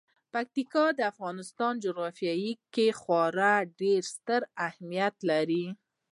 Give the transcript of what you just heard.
پکتیکا د افغانستان په جغرافیه کې خورا ډیر ستر اهمیت لري.